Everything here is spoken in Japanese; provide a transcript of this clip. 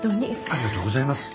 ありがとうございます。